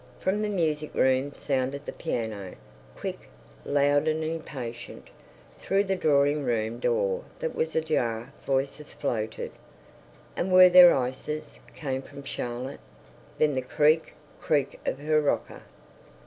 From the music room sounded the piano, quick, loud and impatient. Through the drawing room door that was ajar voices floated. "And were there ices?" came from Charlotte. Then the creak, creak of her rocker.